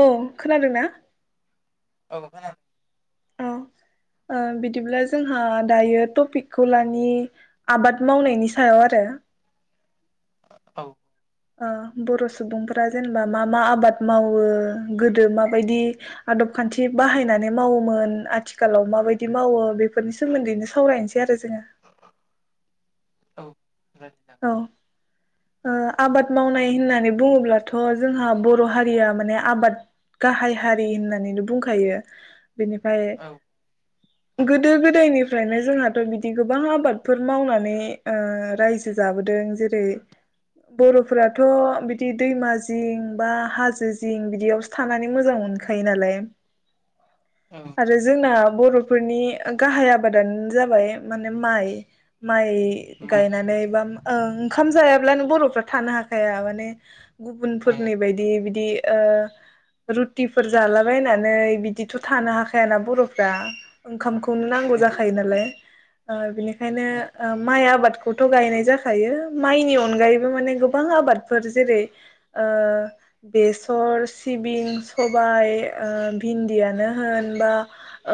औ खोनादोंना औ खोना औ औ बिदिब्ला जोंहा दायो टपिकखौ लानि आबाद मावनायनि सायाव आरो औ औ बर' सुबुंफोरा जेनेबा मा मा आबाद मावो गोदो माबायदि आदब खान्थि बाहायनानै मावोमोन आथिखालाव माबायदि मावो बेफोरनि सोमोन्दैनो सावरायनोसै आरो जोङो औ औ रायलायजागोन आबाद मावनाय होननानै बुङोब्लाथ' जोंहा बर' हारिया माने आबाद गाहाय हारि होननानैनो बुंखायो बेनिफ्राय गोदो गोदायनिफ्रायनो जोंहाथ' बिदि गोबां आबादफोर मावनानै ओ रायजो जाबोदों जेरै बर'फोराथ' बिदि दैमा जिं बा हाजो जिं बिदियावसो थानानै मोजां मोनखायो नालाय औ आरो जोंना बर फोरनि गाहाय आबादानो जाबाय माने माइ माइ माइ गायनानै बा ओं ओंखाम जायाब्लानो बर'फ्रा थानो हाखाया माने हाया गुबुनफोरनि बायदि बिदि ओ रुटिफोर जालाबायनानै बिदिथ' थानो हाखायाना बर'फ्रा ओंखाम नांगौ हाया जाखायो नालाय ओ बिनि बेनो औ माइ ओ आबाद खौथ' गायनाय जाखायो माइनि अनगायैबो माने गोबां आबादफोर जेरै ओ बेसर सिबिं सबाय ओ भिन्दियानो होन बा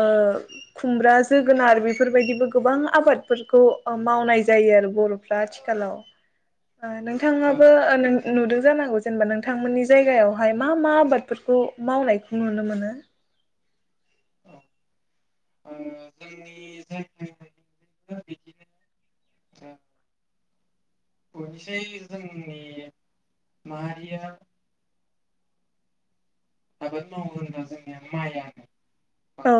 ओ खुमब्रा जोगोनार बेफोरबायदिबो गोबां आबादफोरखौ मावनाय जायो आरो बर'फ्रा आथिखालाव औ नोंथाङाबो नुदों जानांगौ जेनेबा नोंथांमोननि जायगायावहाय मा मा आबादफोरखौ मावनायखौ नुनो मोनो औ ओ जोंनि जाय बिदिनो [unintelligible] जोंनि माहारिया ओरो मावो होनबा जोंनि माइ आबाद औ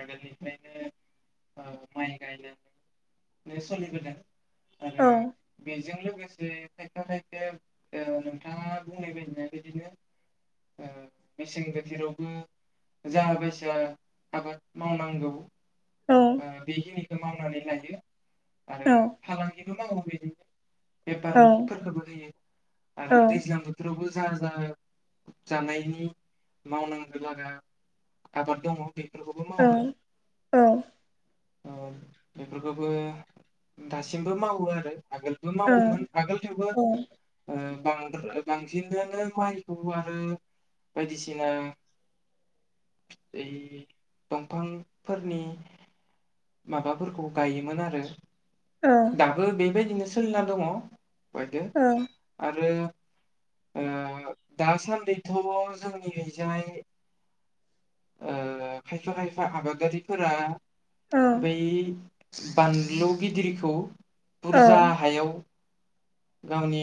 आगोलनिफ्रायनो माइ गायनानै सोलिबोदों आरो बे औ बेजों लोगोसे खायफा खायफाया नोंथाङा बुंनाय बायदिनो मेसें बोथोरावबो जा बायसा आबाद मावनांगौ औ ओ बेखिनिखौ मावनानैलाय [unintelligible] आरो फालांगिखौ मावो [unintelligible] औ बेफारफोरखौबो होयो आरो औ दैज्लां बोथोरावबो जा जा जानायनि मावनांगौ लागा आबाद दङ बे औ औ। ओ बेफोरखौबो दासिमबो मावो आरो आगोलबो औ मावोमोन आगोलनियावबो ओ [unintelligible] बांसिनदोनो माइखौबो आरो बायदिसिना ओइ दंफांफोरनि माबाफोरखौ गायोमोन आरो। औ दाबो बेबायदिनो सोलिना दङ बायदो आरो ओ दासान्दिथ' जोंनिहैैजानाय खायफा खायफा आबादारिफोरा औ बै बानलु गिदिर खौ औ बुरजा हायाव गावनि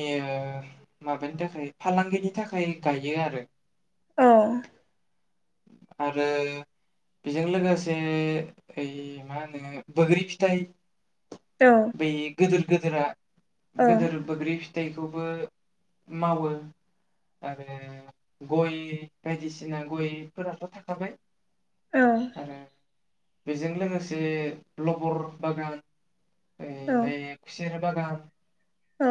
माबानि थाखाय फालांगिनि थाखाय गायो आरो औ। आरो बेजों लोगोसे ओइ मा होनो बैग्रि फिथाइ औ बै गोदोर गोदोरा गोदोर बैग्रि फिथाइ बेखौबो मावो आरो गय बायदिसिना गय फोरथ' थाखाबाय औ आरो बेजों लोगोसे लबर बागान औ ओमफ्राय खुसेर बागान औ।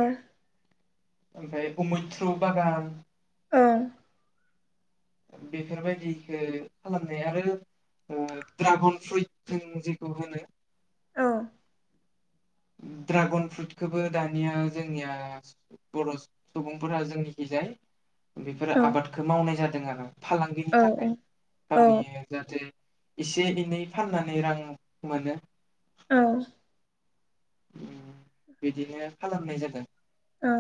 ओमफ्राय अ मैथ्रु बागान औ बेफोरबायदिखौ खालामनाय आरो ओ ड्रागन फ्रुइट जों जेखौ होनो औ। ड्रागन फ्रुटखौबो दानिया जोंनिया बर' सुबुंफोरा जोंनिखिजाय औ बेफोरो आबादखौ मावनाय जादों आरो फालांगिनि थाखाय। औ गावनि औ जाहाथे एसे एनै फाननानै रां मोनो औ। बिदिनो खालामनाय जादों। औ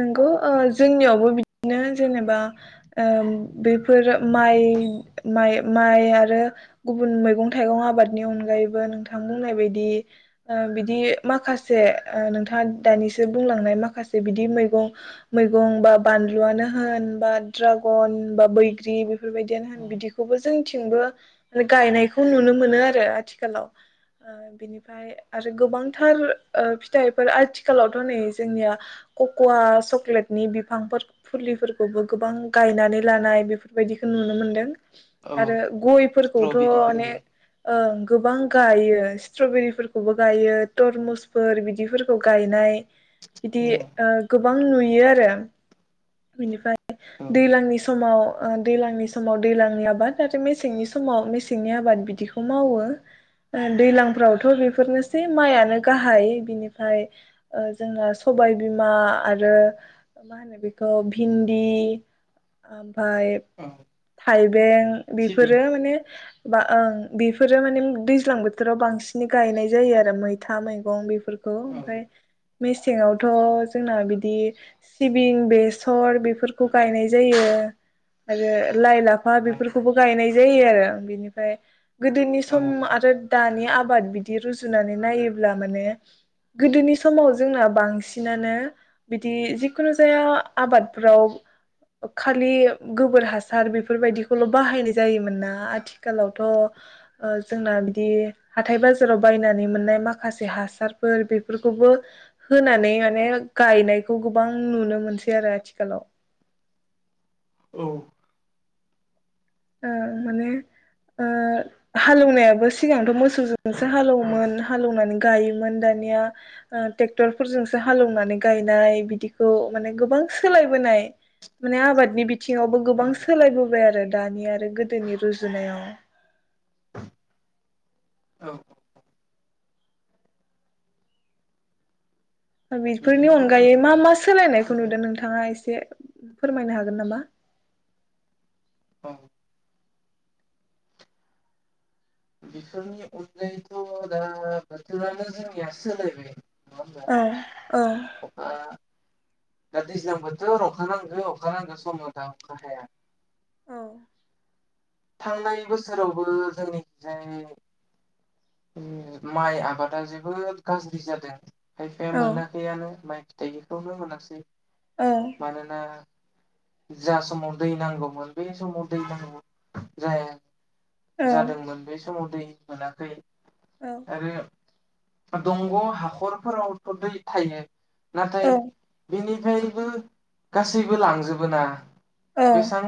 नंगौ ओ जोंनियावबो बिदिनो जेनोबा ओ बेफोर माइ माइ माइ आरो गुबुन मैगं थाइगं आबादनि अनगायैबो नोंथां बुंनाय बायदि ओ बिदि माखासे ओ नोंथाङा दानिसो बुंलांनाय माखासे बिदि मैगं मैगं बा बानलुयानो होन बा ड्रागन बा बैग्रि बेफोरबायदियानो होन बिदिखौबो जोंनिथिंबो ओ गायनायखौ नुनो मोनो आरो आथिखालाव ओ बिनिफ्राय आरो गोबांथार ओ फिथाइफोर आथिखालाव थ' नै जोंनिया कक'व चक्लेटनि बिफांफोर फुलिफोरखौबो गोबां गायनानै लानाय बेफोरबायदिखौ नुनो मोनदों। औ आरो गयफोरखौथ' स्ट्रबेरिफोरबो अनेे ओं गोबां गायो स्ट्रबेरिफोरखौबो गायो तरमुसफोर बिदिफोरखौ गायनाय बिदि औ ओ गोब गोबां नुयो आरो बिनिफ्राय दैलांनि समाव दैलांनि समाव दैलांनि आबाद आरो मेसेंनि समाव मेसेंनि आबाद बिदिखौ मावो दैलांफ्रावथ' बेफोरनोसै माइयानो गाहाय बिनिफ्राय ओ जोंना सबायबिमा आरो मा होनो बेखौ भिन्दि ओमफ फाय औ थाइबें सिबिं बेफोरो माने बा ओं बेफोरो माने दैज्लां बोथोराव बांसिनै गायनाय जायो आरो मैथा मैगं बेफोरखौ औ ओमफ्राय मेसेंआवथ' जोंना बिदि सिबिं बेसर बेफोरखौ गायनाय जायो आरो लाइ लाफ फा औ बेफोरखौबो गायनाय जायो आरो बिनिफ्राय गोदोनि औ सम आरो दान नि आबाद बिदि रुजुनानै नायोब्ला माने गोदोनिस समाव जोंना बांसिनानो बिदि जिखुनु जाया आबादफ्राव खालि गोबोर हासार बेफोरबायदिखौल' बाहायनाय जायोमोन ना आथिखालावथ' ओ जोंना बिदि हाथाय बाजाराव बायनानै मोननाय माखासे हासारफोर बेफोरखौ खौबो होनानै माने गायनायखौ गोबां नुनो मोनसै आरो आथिखालाव। औ। ओ माने ओं हालेवनायाबो सिगांथ' मोसौजोंसो हालेवोमोन हालेवनानै गायोमोन दानिया ओ टेक्टरफोरजोंसो हालेवनानै गायनाय बिदिखौ माने गोबां सोलायबोनाय माने आबादनि बि बिथिङावबो गोबां सोलायबोबाय आरो। दानि आरो गोदोनि रुजुनायाव औ। बेफोरनि बिदिनो अनगायै मा मा सोलायनायखौ नुदों नोंथाङा एसे फोरमायनो हागोन नामा? औ बेफोरनि अनगायैथ' दा बोथोरानो जोंनिया सोलायबाय। होमबा औ औ। अखा दा दैज्लां बोथोर अखा नांगौ अखा नांगो समाव दा अखा हाया। औ थांनाय बोसोरावबो जोंनिखिजायु उम माइ आबादा जोबोद गाज्रि जादो‌। खायफाया मोनाखैआनो माइ दैखौनो मोनासै। औ मानोना जा समाव दै नांगौमोन बे समाव दै नांगौ जाया। औ जादोंमोन बे समाव दै मोनाखै। आरो दंग' हाखरफोरावथ' दै थायो। नाथाय औ बिनिफ्राय गासैबो लांजोबो ना। बेसां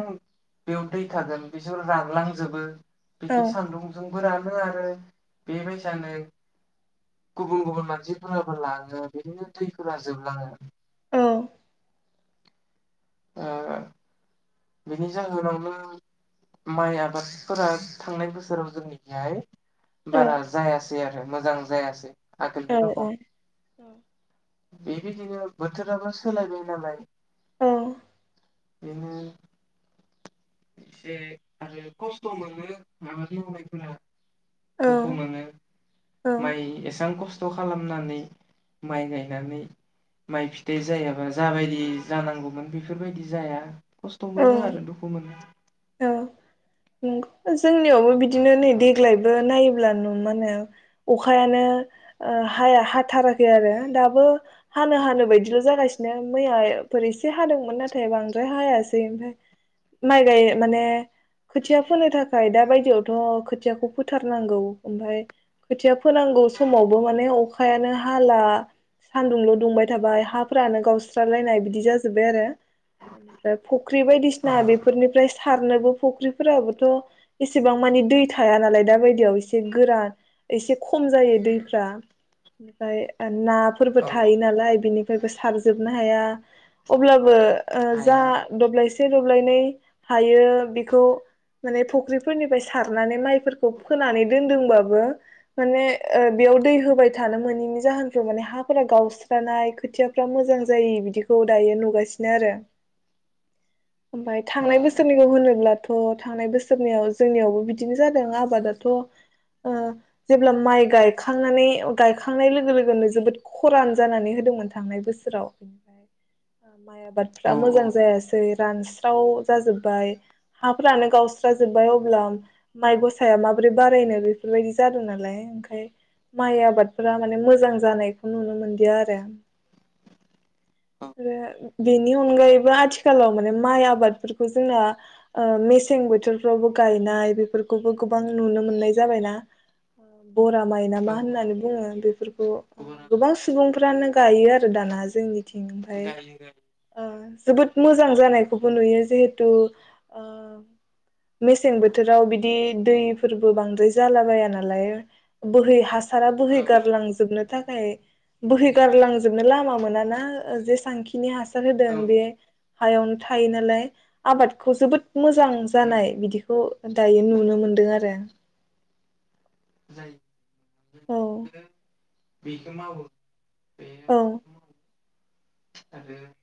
बेव दै थागोन बिसोर रानलांजोबो। औ बेखि सान्दुंजों फोर रानो आरो बेबायसानो गुबुन गुबुन मानसिफोराबो लाङो बिदिनो दैफोरा जोबलाङो। औ। ओ बेनि जाहोनावनो माइ आबादफोरा थांनाय बोसोराव जोंनिखिहाय बारा जाया सै आरो मोजां जायासै। आगोलनि औ रखम औ। बेबायदिनो बोथोराबो सोलायबाय नालाय। औ। बिनि एसे आरो खस्थ' मोनो आबाद मावनायफोरा। दुखु मोनो औ माइ एसां खस थ' खालामनानै माइ गायनानै माइ फिथाइ जायाबा जाबायदि जानांगौमोन बेफोरबायदि जाया। खस्थ' औ मोनो आरो दुखु मोनो। औ [inaudible] जोंनियावबो बिदिनो नै देग्लायबो नायो अब्ला नु मानो अखायानो हाया हाथाराखै आरो दाबो हानो हानो बायदिल' जागासिनो मैयाफोर एसे हादोंमोन नाथाय बांद्राय हाया ओमफ्राय माइ गाय माने खोथिया फोनो थाखाय दा बायदियावथ' खोथियाखौ फोथारनांगौ ओमफाय खोथिया फोनांगौ समावबो माने अखायानो हाला सानदुंल' दुंबाय थाबाय हाफोरानो गावस्रालायनाय बिदि जाजोबबाय आरो। बेनिफ्राय फुख्रि बायदिसिना ओ बेफोरनिफ्राय सारनोबो फुख्रिफोराबोथ' एसेबां मानि दै थाया नालाय दा बायदियाव एसे गोरा एसे खम जायो दैफ्रा निफ्राय ना फोरबो औ थायो नालाय। बिनिफ्रायबो सारजोबनो हाया अब्लाबो ओ जा हाया दबलायसे दबलायनै हायो बेखौ माने फुख्रिफोरनिफ्राय सारनानै माइफोरखौ फोनानै दोनदोंबाबो माने बेयाव दै होबाय थानो मोनैनि जाहोनखौ माने हाफोरा गावस्रानाय खोथियाफ्रा मोजां जायि बिदिखौ दायो नुगासिनो आरो। ओमफ्राय औ थांनाय बोसोरनिखौ होनोब्लाथ' थांनाय बोसोरनियाव जोंनियावबो बिदिनो जादों आबादाथ' ओ जेब्ला माइ गायखांनानै गायखांनाय लोगो लोगोनो जोबोद खरान जानानै होदोंमोन थांनाय बोसोराव। माइ आबादफ्रा औ मोजां जायासै रानस्राव जाजोब्बाय हाफ्रानो गावस्राजोबबाय अब्ला माइ गसाया माबोरै बारायनो बेफोरबायदि जादों नालाय ओंखाय माइ आबादफोरा माने मोजां जानायखौ नुनो मोनदिया आरो। औ आरो बेनि अनगायैबो आथिखालाव माने माइ आबादफोरखौ जोंना ओ मेसें बोथोरफ्रावबो गायनाय बेफोरखौबो गोबां नुनो मोननाय जाबायना। बर माइ ना मा औ होननानै बुङो बे गुबुना गोबां सुबुंफ्रानो गायो आरो दाना जोंनि उम उमफाइ गायो गायो ओ जोबोद मोजां जानायखौबो नुयो जिहेथु ओ मेसें बोथोराव बिदि दैफोरबो बांद्राय जाला बाया नालाय बोहै हा सारा बोहै औ गारलांजोबनो थाखाय बोहैगारलांजोबनो लामा मोनाना जेसांखिनि हास सार होदों औ बे हायावनो थायो नालाय आबादखौ जोबोद मोजां जानाय बिदिखौ दायो नुनो मोनदों आरो जायो औ बिखौ मावो औ [unintelligible]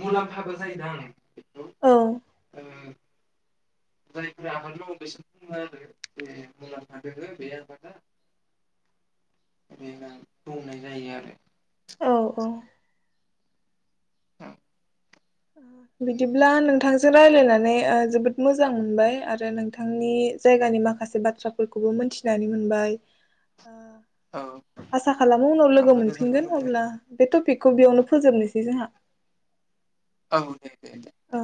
मुलामफाबो जायो औ उम जायफोरा [unintelligible] बुंबाय जायो आरो औ औ बिदिब्ला नोंथांजों ओ राय्लायनानै जोबोद मोजां मोनबाय आरो नोंथांनि जायगानि माखासे बाथ्राफोरखौबो मोनथिनानै मोनबाय औ आसा खालामो उनाव लोगो आंबो गोजोननाय मोनफिनगोन मोनदों अब्ला बे टपिकखौ बेयावनो फोजोबनोसै जोंहा औ दे दे दे औ